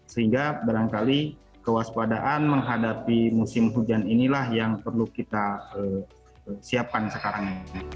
sehingga barangkali kewaspadaan menghadapi musim hujan inilah yang perlu kita siapkan sekarang